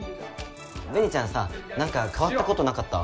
紅ちゃんさ何か変わったことなかった？